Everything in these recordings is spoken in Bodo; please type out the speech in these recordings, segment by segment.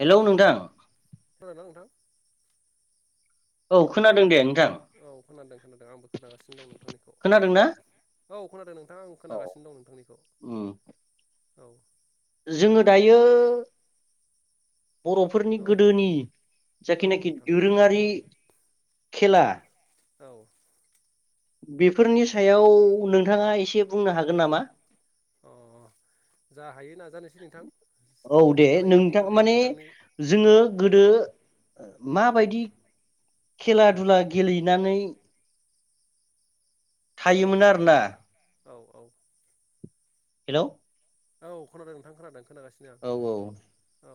हेलौ नोंथां? खोनादों नोंथां? औ खोनादों दे नों ए औ खोनादों खोनादों आंबो खोनागासिनो दं नोंथांनिखौ। खोनादों ना खोनादोंना? औ खोनादों नोंथां आं औ खोनागासिनो दं नोंथांनिखौ। उम औ। जोङो दायो बर'फोरनि औ गोदोनि औ जाखिनाखि नोंथां दोरोङारि खेला औ बेफोरनि सायाव नोंथाङा एसे बुंनो हागोन नामा अ जा हायो नाजानोसै नोंथां औ दे नोंथां हानायखिनिखौ दे माने नोंथांनि जोङो गोदो औ माबायदि खेला दुला गेलेनानै औ थायोमोन आरो ना औ औ हेल' औ खोनादों नोंथां खोनादों। खोनागासिनो आं औ औ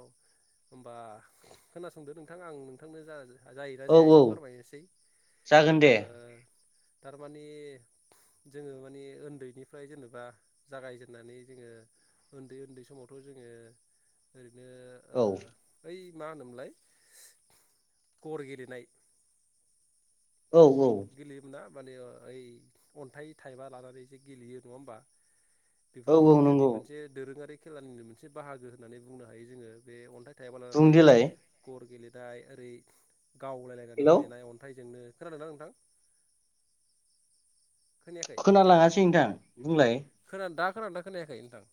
होमबा खोनासंदो नोंथां आं नोंथांनो जा जायोना औ जाया औ एसे फोरमायनोसै जागोन दे ओ थारमाने जोङो माने उन्दैनिफ्राय जेनेबा जागायजेननानै जोङो उन्दै उन्दै समावथ' जोङो ओरैनो औ बै मा होनोमोनलाय गर गेलेनाय औ औ गरफोरखौ गेलेयोब्ला माने ओइ अन्थाइ थाइबा लानानै जे गेलेयो नङा होमबा? औ औ बेफोरबोथ' जोंनि नंगौ मोनसे दोरोङारि खेलानिनो मोनसे बाहागो होननानै बुंनो हायो जोङो बे अन्थाइ थाइबा बुं लानानै देलाय गर गेले दा ओरै गावलायलायनानै हेलौ गेलेनाय अन्थाइजोंनो खोनादोंना नोंथां खोनायाखै खोनालाङासै नोंथां बुंलाय खोना दा खोनादोंना खोनायाखै नोंथां??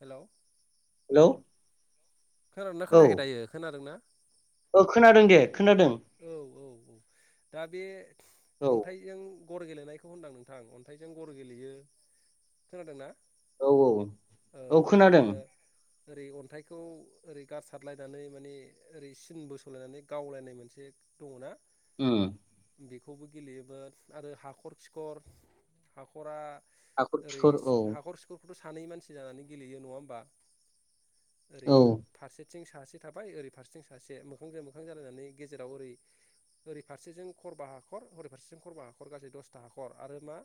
हेल' हेल' खोनादोंना खोनायाखै दायो खोनादों ना ओ खोनादों दे खोनादों औ औ दा बे औ अन्थाइजों गर गेलेनायखौ होनदां नोंथां अन्थाइजों गर गेलेयो खोनादोंना? औ औ ओ औ बिदिनो खोनादों। ओरै अन्थाइखौ ओरै गारसारलायनानै माने ओरै सिन बोसलायनानै गावलायनाय मोनसे एसे दंना? ओ। बेखौबो गेलेयोमोन आरो हाखर खिखर हाखरा हाखर-खिखर औ। थ' सानै मानसि जानानै गेलेयो नङा होमबा? ओरै औ फारसे फारसेथिं सासे थाबाय ओरै फारसेथिं सासे मोखांजों मोखां जालायनानै गेजेराव ओरै ओरै फारसेजों खरबा हाखर ओरै फारसेजों खरबा हाखर गासै दसथा हाखर आरो मा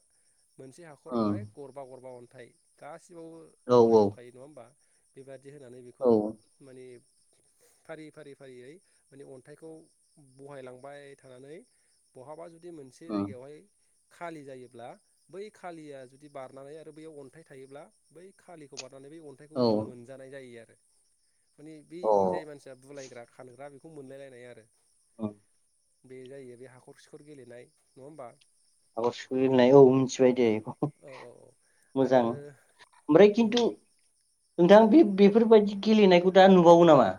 मोनसे उम हाखरावहाय गरबा गरबा अन थाइ गा सिबावबो औ औ होजोबबाय नङा होमबा? बेबायदि बिदि होनानै बेखौ औ माने फारि-फारि-फारियै माने अन्थाइखौ बहायलांबाय थानानै बहाबा जुदि बिदि मोनसे उम जायगायावहाय खालि जायोब्ला बै खालिया जुदि बारनानै आरो बैयाव अन्थाइ थायोब्ला बै खालिखौ बार होननै बे अन्थाइखौ औ जोङो मोनजानाय जायो आरो। माने बे अ जाय मानसिया बुलायग्रा खानग्रा मोनलायलायनाय आरो। [unintelligible] बे जायो बे हाखर-सिखर गेलेनाय नङा होमबा? हाखर-खिखर गेलेनाय औ उम मिथिबाय औ दे बेखौ औ औ औ आरो मोजां ओमफ्राय उम खिन्थु नोंथां औ बे बेफोरबायदि गेलेनायखौ दा नुबावो नामा?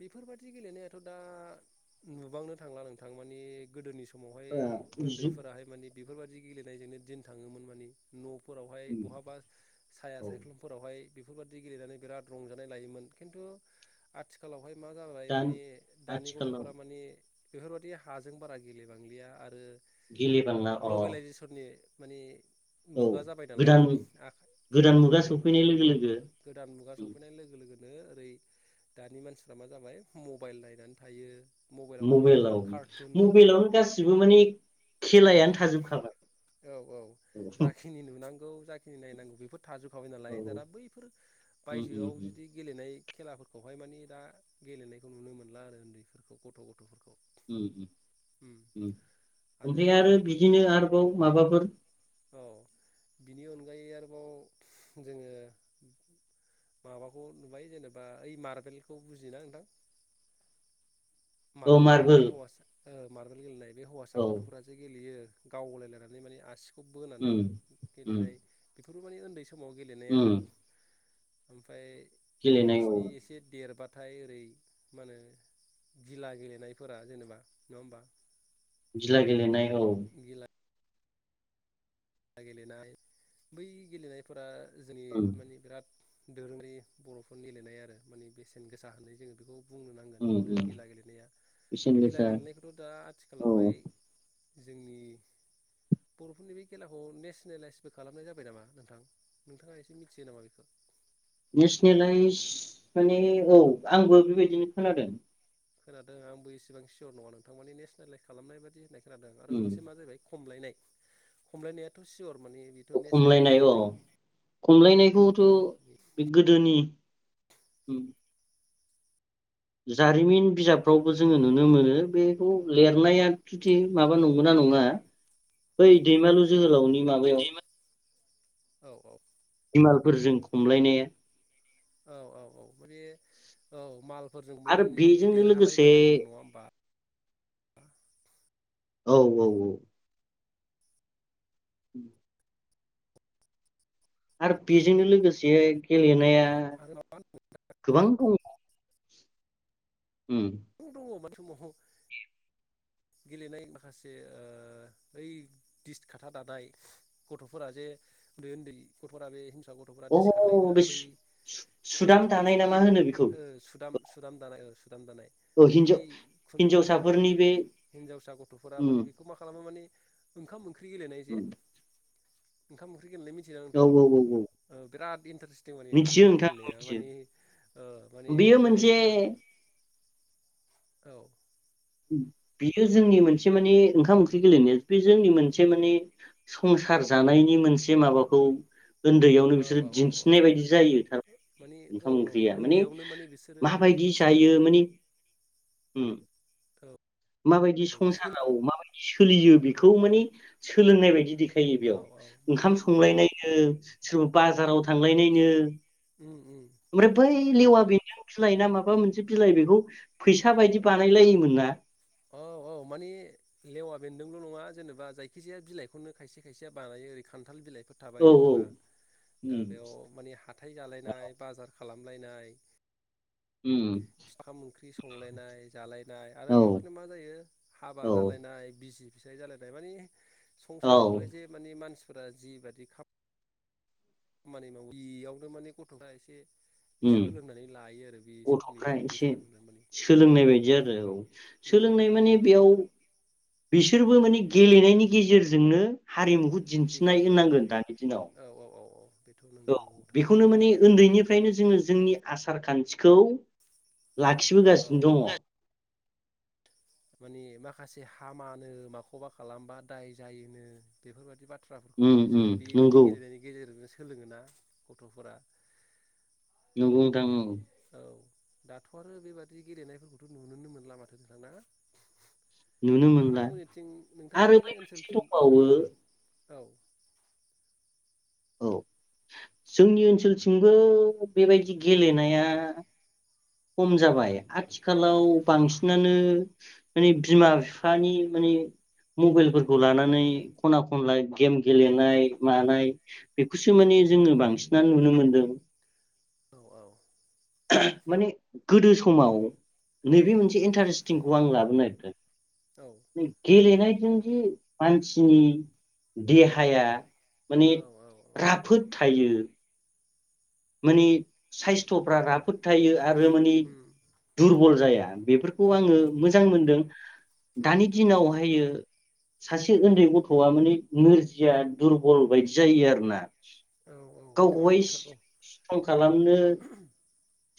बेफोरबायाददि गेलेनायाथ' दा नुबांनो थांला नोंथां माने गोदोनि सम समावहाय ओ जु उन्दैफोराहाय माने बेफोरबायाददि गेलेनायजोंनो दिन थाङोमोन माने न' फोरावहाय उम बहाबा साया औ सायख्लुमफोरावहाय बेफोरबादि गेलेनानै बिराद रंजानाय लायोमोन खिन्थु आ थिखालावहाय मा जाबाय दा माने दानि आथिखालाव गथ'फोरा माने बेफोरबादि हाजों बारा गेलेबांलिया आरो गेले बांला अ' ग्लबेलाइजेसननि माने औ मुगा जाबाय नालाय गोदान आ औ गोदान मुगा सफैनाय लोगो फैबाय लोगो गोदान मुगा उम सफैनाय लोगो लोगो नोङो ओरै दानि मानसिफ्रा मा जाबाय मबाइल नायनानै थायो मबाइलावहाय बिदिनो मबाइलाव कार्टुन मबाइलावनो गासिबो माने औ खेलायानो औ थाजोबखाबाय नायनांगो बेफोर थाजोबखाबाय नालाय दाना बैफोर उम बायजोआव उम बिदि गेलेनाय खेलाफोरखौहाय मानिे दा गेलेनायखौ नुनो मोनला आरो उन्दैफोरखौ गथ' गथ'फोरखौ उ उम उ ओमफ्राय आरो बिदिनो आरोबाव माबा फोर औ बिनि अनगायै आरोबाव जोङो माबाखौ नुबाय जेनेबा ओइ मारबेलखौ बुजियोना नोंथां औ मार्बेल गेलनाय मार्बल हौवासा ओ मारबल गेलैनाय बे हौवासा औ गथ'फोराजे गेलेयो गावलायलायनानै माने आसि खौ बोनानै उम उम गेलेनाय बेफोरो माने ओनदै स समाव गेलेनाय आरो उम ओमफ्राय गेलेनाय औ बिसनि एसे देरबा थाय ओरै मा होनो गिला गेलेनायफोरा जेनेबा नङा होमबा गिला गेलनाय औ खेला गेलेनाय बै गेलेनायफोरा जोंनि उम माने बिराद दोरोङै बर'फोर गेलेनाय आरो माने बेसेन गोसा होननाय जोङो बेखौ बुंनो नांगोन उम दो उम गिला गेलेनाया बेसेन गिला गोसा गेलेनायखौथ' दा औ आथिखालावहाय जोंनि बर'फोरनि बे खेलाखौ नेसनेलाइसबो खालामनाय जाबाय नामा नोंथां नोंथाङा एसे मिथियो नामा बेखौ? नेसनेलाइज माने औ आंबो बेबायदिनो खोनादों खोनादों आंबो इसेबां सियर नङा नोंथां मानि नेसनलाइस खालामनाय बादि होननायखौ। खादों आरो उम मोनसे मा जाबाय। खमलायनाय खमलायनायाथ' सियर। माने बेथ' नेसनेलाइस खमलायनाय औ जाबाय खमलायनायखौथ' औ बे गोदोनि। उम। जारिमिन बिजाब। फावबो जोङो औ नुनो मोनो बे। लिरनाय। माबा औ नंगौ नना औ नङा। ओइ दैमालु। जोहोलावनि माबायाव दै फोरजों खमलायनाया। औ औ औ माने औ माल फोरजों आरो बुलायनानै जे बे बेजोंनो लोगोसे देरहालायबोदोंमोन नङा होमबा। औ औ औ। उ [inaudible] आरो बेजोंनो लोगोसे गेलेनाया। आरो माबा गोबां दङ। दङ। समाव गेलेनाय माखासे ओइ दिस खाथा दानाय गथ'फोरा जे उन्दै उन्दै गथ'फोरा बे। गथ'फोरारा अ डिसकार्ट थायोमोना बे बै सु- सु- सुदाम बेबोथ' दानाय मोनसे ना मा गेले होनो बेखौ सुदाम। सुदाम दानाय औ सुदाम दानाय। औ माने बै हिनजाव हिनजावसाफोरनि बे हिन्जावसा गथ'फोरा उम माने बेखौ मा खालामो माने। ओखाम ओंख्रि। ओंख्रि गेलेनाय जे। उम ओंखाम। ओंख्रि गेलेनाय मिथिदों औ नोंथां। औ औ औ बिराद इन्टारेस्ट थिं माने ओंखाम मिथियो ओंख्रि नोंथां गेलेनाया मिथियो माने माने बेयो ओरै मोनसे औ। बियो जोंनि मोनसे माने ओंखाम ओंख्रि गेलेनाया बे जोंनि मोनसे माने संसार जानायनि मोनसे माबाखौ। उन्दैयावनो औ बिसोरो औ औ दिन्थिनाय बायदि जायो माने औ ओंखाम औ ओंख्रिया माने उन्दैयावनो बिसोरो माबायदि सोल जायो माने उम। औ। माबायदि औ सोल संसाराव माबायदि सोलियो बेखौ माने सोलोंनाय बायदि थायो औ बेयाव औ मानि ओंखाम संलायनाय सोरबा बाजाराव थांलायनायनो उम उम ओमफ्राय बै लेवा बेनि बिलाइ ना माबा मोनसे बिलाइ बेखौ फैसा बायदि बानायलायोमोन ना औ औ माने लेवा बेन्दोंल' नङा जेनेबा जायखिजाया बिलाइखौनो खायसे खायसेया बानायो ओरै खान्थाल बिलाइ फोर थाबाय औ जेनेबा दा उम बेयाव माने हाथाय जालायनाय बाजार खालामलायनाय उम फिथा ओंख्रि संलायनाय जालायनाय आरो औ बेवहाय मा जायो हाबा औ जालायनाय बिसि फिसाय जालायनाय माने औ संसारावहाय जे माने मानसि फोर जिबायदि खामानि मावो बेयावनो माने गथ'फ्रा एसे उम सोलोंनानै लायो आरो बे समनि गथ'फ्रा बे एसे समावनो माने औ सोलोंनाय बायदि जादों औ उम सोलोंनाय माने बेयाव बिसोरबो माने गेलेनायनि गेजेरजोंनो हारिमुखौ बेनो दिन्थिनाय आरो होननांगोन दानि दिनाव औ औ औ औ बेथ' औ नंगौ नंगौ थारैनो बेखौनो नंगौ नोङो उन्दैनिफ्रायनो जोङो जोंनि आसार खान्थिखौ लाखिबोगासिनो औ दङ। माने माखासे हामानो माखौबा खालामबा दाय जायोनो बेफोरबायदि बा थ्राफोरखौबो उम उम बिसोरो बेबायदि नंगौ गेलेनायनि गेजेरजों सोलोङोना गथ'फोरा नंगौ नोंथां ओम औ दाथ' आरो बेबादि गेलेनायफोरखौथ' नुोनो मोनला माथो नोंथां ना नुनो मोनला नोंथांमोननिथिं आरो नोंथांमोननि बै जाय मोनसे ओनसोलथिं दंबावो औ। औ जोंनि ओनसोलथिंमबो बेबायदि गेलेनाया खम जाबाय। आथिखालाव उम बांसिन नानो माने बिमा बिफानि माने मबाइलफोरखौ लानानै खना खनला गेम गेलेनाय मानाय बेखौसो माने जोङो बांसिनानो नुनो मोनदों। औ औ। माने गोदो समाव औ नैबे मोनसे इन्टारेस्टिं खौ आं लाबोन औ नागिरदों। गेलेनाय [unintelligible] मानसिनि देहाया माने औ औ राफोद थायो। माने साइस्थ'फ्रा राफोद थायो आरो माने उम दुरबल जाया। बेफोरखौ औ आङो मोजां मोनदों। उम दानि दिनावहाययो। सासे उन्दै गथ'आ माने नोरजिया दुरबल बायदि जायो आरोना। औ औ बेथ' गावखौहाय नंथारगौ। स्ट्रं खालामनो।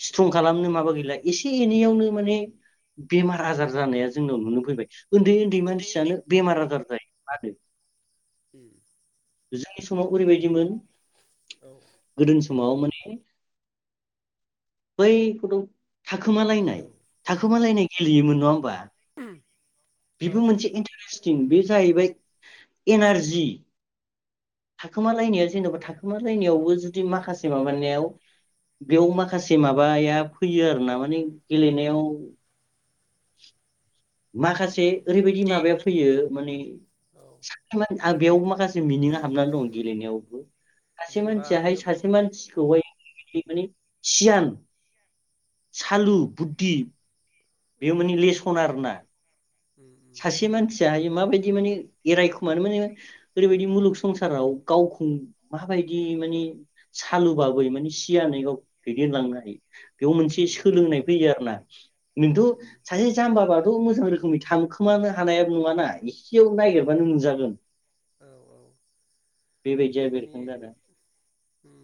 स्ट्रं खालामनो माबा गैला एसे एनैयावनो माने बेमार आजार जानाया जोंनाव नुनो फैबाय। उन्दै उन्दै मानसियानो बेमार आजार जायो। [inaudible] उम। जोंनि समाव ओरैबायदिमोन। औ गोदोनि समाव माने। बैखौथ'। थाखोमालायनाय औ थाखोमालायनाय। गेलेयोमोन नङा होनबा। औ बेबो मोनसे इन्टारेस। जाहैबाय इनारजि थाखोमालनाया जेनबा थाखो लायनाय। जुदि औ माखासे माबानायाव बेयाव माखासे माबाया फैयो आरो ना माने गेलेनायाव [inaudible] माखासे उम ओरैबायदि माबाया फैयो माने। औ आं बेयाव माखासे मिनिं हाबनानै दं गेलेनायावबो सासे जेनेबा मानसियाहाय सासे इयावथ' मानसिखौहाय माने सियान सालु बुद्धि बे उम माने लेस आरोना। उम उम सासे मानसिया मा बायदि दि माने एरायखुमानो माने ओरैबायदि मुलुग संसाराव गावखौ माबायदि माने सालुबाबो माने सियानै गावखौ दैदेनलांनो हायो। बेयाव मोनसे उम सोलोंनाय फैयो आरोना। उम नोंथ' उम सासे जाम्बाबाथ' मोजां रोखोमै था हानाय नुवाना। खियाव औ नागिरबानो नुजागोन। औ औ बेबायदिया थारमानि बेरखां जादों उम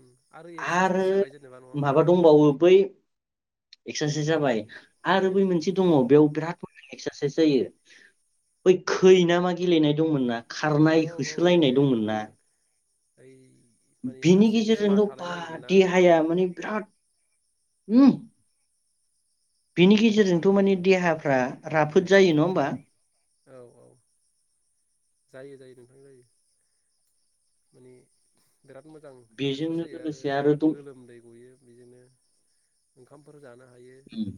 एक्सारसाइस आरो जाबाय जेनेबा नङा होमबा माबा दंबावो बै एकस'सो जाबाय औ आरो बै मोनसे दङ बेयाव बिराद एक्सारसाइस जायो। बै खै ना मा गेलेनाय दंमोन ना? औ खारनाय औ औ होसोलायनाय बे दंमोन उम ना? ओइ माने बिनि सासे बिमा गेजेरजोंथ' थालाय बा लायोमोन ना देहाया माने बिराद उम। बिनि गेजेरजोंथ' माने देहाफ्रा राफोद जायो नङा होमबा? औ औ जायो जायो नोंथां जायो माने बिराद मोजां एक्सारसाइस बेजोंनो जायो आरो लोगोसे दं गोलोमदै गयो। बिदिनो ओंखामफोर जानानै उम।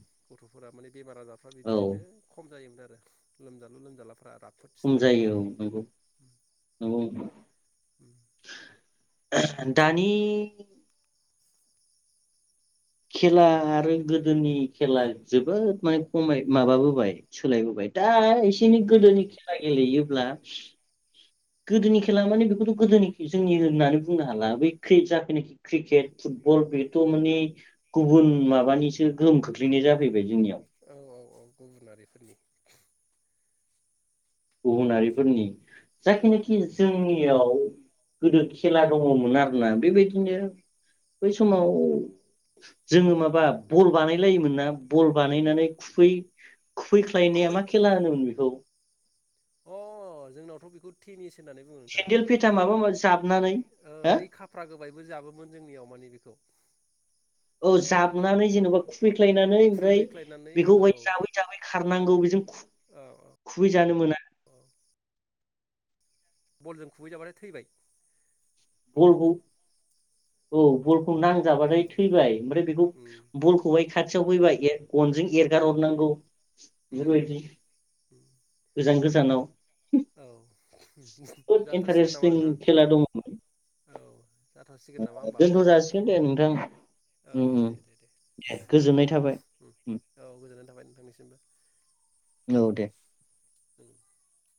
फोर माने बेमार आजारफ्रा औ बिदिजोंनो खम जायोमोन आरो। [unintelligible] लोमजालु लोमजालाफोरा राफोद खम स्ट्रं जायो औ नंगौ नंगौ उम। उम दानि खेला आरो गोदोनि खेला जोबोद माने खमाय माबाबोबाय सोलायबोबाय दा बिनि गोदोनि खेला गेलेयोब्ला गोदोनि खेला माने बेखौथ' गोदोनि जोंनि होननानै बुंनो हाला बै खै जाखनाखि क्रिकेट फुटबल बेथ' माने गुबुन माबानिसो गोहोम खोख्लैनाय जाफैबाय जोंनियाव। औ औ औ गुबुनारिफोरनिसो। गुबुनारिफोरनि जाखिनाखि जोंनियाव गोदो खेला दङमोन आरोना बेबायदिनो बै समाव जोङो माबा बल बानायलायोमोन ना बल बानायनानै खुुबै खुैख्लायनाया मा खेला होनोमोन बे खौ? अ जोंनावथ' बेखौ टेनिस होननानै बुङो नोंथां? सेन्देल फेथा माबा माबि जाबनानै हो ओइ खाफ्रा गोबायबो जाबोमोन जोंनियाव मानि बेखौ। औ जाबनानै जेनोबा खु बैख्लायनानै ओमफ्राय खुबैख्लायनानै औ बेखौहाय जाबै जाबै खारनांगौ बेजों खु औ औ खुबैजानो मोना। औ बलजों खुबैजाबाथाय थैबाय। बलखौ औ नांजाबथाय उम थैबाय ओमफ्राय बेखौ उम बलखौहाय खाथि खाथियाव फैबाय गनजों एरगार हरनांगौ। उम बेफोरबायदि उम गोजान गोजान [unintelligible] औ जाथारसिगोन नामा इन्टारेस्टिं नोंथां खेला दङ जाथारसिगोन नामा होमबा दोनथ' ओमफ्राय जासिगोन दे नोंथां औ उम औ उम दे दे दे गोजोननाय थाबाय। उम औ गोजोननाय थाबाय नोंथांनिसिमबो औ दे [unintelligible]